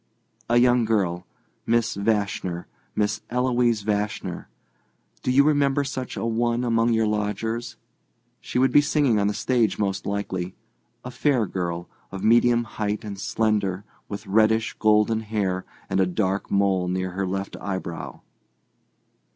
"A young girl—Miss Vashner—Miss Eloise Vashner—do you remember such a one among your lodgers? She would be singing on the stage, most likely. A fair girl, of medium height and slender, with reddish, gold hair and a dark mole near her left eyebrow."